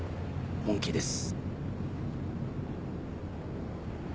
本気です。